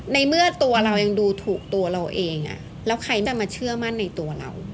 ในเมื่อตัวเรายังดูถูกตัวเราเองแล้วใครจะมาเชื่อมั่นในตัวเรา